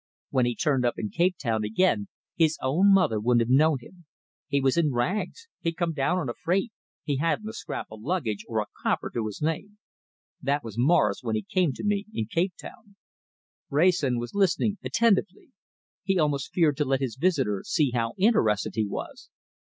When he turned up in Cape Town again, his own mother wouldn't have known him. He was in rags he'd come down on a freight he hadn't a scrap of luggage, or a copper to his name. That was Morris when he came to me in Cape Town!" Wrayson was listening attentively; he almost feared to let his visitor see how interested he was.